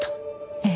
ええ。